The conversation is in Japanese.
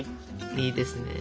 いいですね。